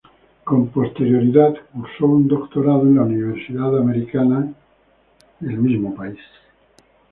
Con posterioridad cursó un doctorado en la Universidad Americana, del mismo país.